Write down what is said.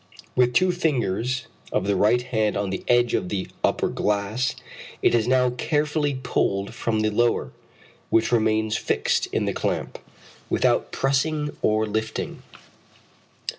With two fingers of the right hand on the edge of the upper glass, it is now carefully pulled from the lower, which remains fixed in the clamp, without pressing or lifting.